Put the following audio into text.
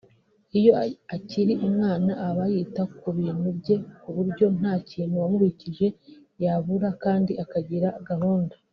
Iyo akiri umwana aba yita ku bintu bye ku buryo nta kintu wamubikije yabura kandi akagira gahunda